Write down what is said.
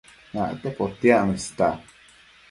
Acte potiacno ista